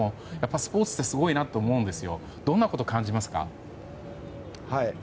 スポーツってすごいなって思うんですけどどんなことを感じますか？